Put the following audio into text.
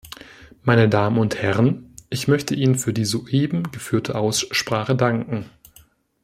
Meine Damen und Herren! Ich möchte Ihnen für die soeben geführte Aussprache danken.